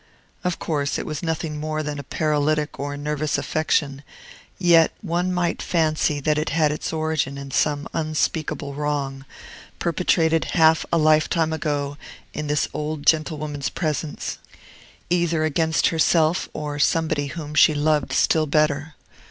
Of course, it was nothing more than a paralytic or nervous affection; yet one might fancy that it had its origin in some unspeakable wrong, perpetrated half a lifetime ago in this old gentlewoman's presence, either against herself or somebody whom she loved still better.